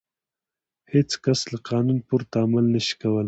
هېڅ کس له قانون پورته عمل نه شوای کولای.